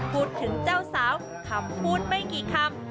พูดถึงเจ้าสาวคำพูดไม่กี่คำ